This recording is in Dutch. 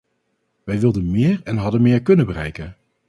Wij wilden meer en hadden meer kunnen bereiken.